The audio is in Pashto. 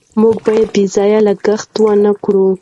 موږ باید بې ځایه لګښت ونکړو.